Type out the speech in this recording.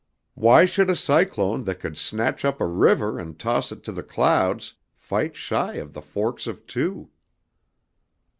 Why should a cyclone that could snatch up a river and toss it to the clouds, fight shy of the forks of two?